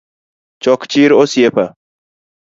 Chok chir osiepa.